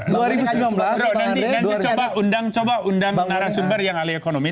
nanti coba undang undang narasumber yang alih ekonomi